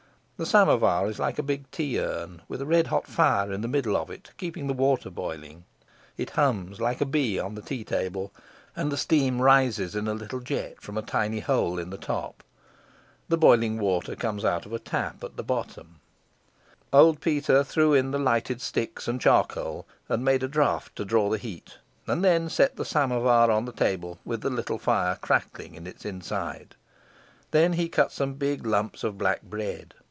The samovar is like a big tea urn, with a red hot fire in the middle of it keeping the water boiling. It hums like a bee on the tea table, and the steam rises in a little jet from a tiny hole in the top. The boiling water comes out of a tap at the bottom. Old Peter threw in the lighted sticks and charcoal, and made a draught to draw the heat, and then set the samovar on the table with the little fire crackling in its inside. Then he cut some big lumps of black bread.